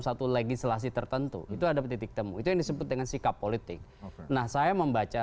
satu legislasi tertentu itu ada titik temu itu yang disebut dengan sikap politik nah saya membaca